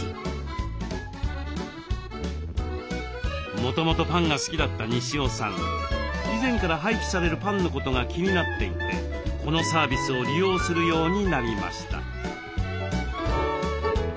もともとパンが好きだった西尾さん以前から廃棄されるパンのことが気になっていてこのサービスを利用するようになりました。